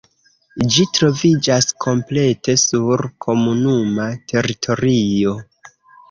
Ĝi troviĝas komplete sur komunuma teritorio.